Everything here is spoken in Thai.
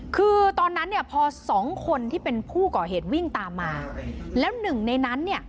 คือตอนนั้นเนี่ยพอสองคนที่เป็นผู้ก่อเหตุวิ่งตามมาแล้วหนึ่งในนั้นเนี่ย